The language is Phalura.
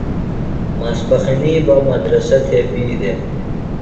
ماسپخِنیۡ بہ مدرسہ تھےۡ بیۡ دےۡ۔